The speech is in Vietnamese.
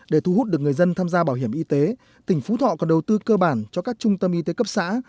để thu hút được người dân tham gia bảo hiểm y tế tỉnh phú thọ còn đầu tư cơ bản cho các trung tâm y tế cấp xã